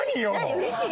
うれしい？